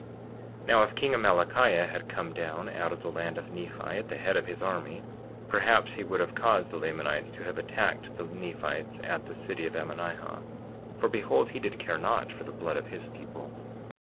49:10 Now, if king Amalickiah had come down out of the land of Nephi, at the head of his army, perhaps he would have caused the Lamanites to have attacked the Nephites at the city of Ammonihah; for behold, he did care not for the blood of his people.